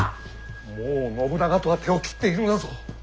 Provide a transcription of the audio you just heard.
もう信長とは手を切っているのだぞ。